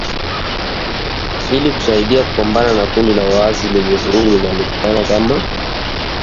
Ili kusaidia kupambana na kundi la waasi lenye vurugu linalojulikana kama Washirika wa Nguvu za Kidemokrasia